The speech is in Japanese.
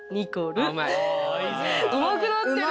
うまくなってる！